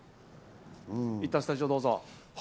いったんスタジオにどうぞ。